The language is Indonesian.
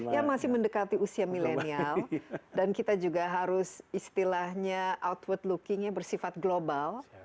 yang masih mendekati usia milenial dan kita juga harus istilahnya outward lookingnya bersifat global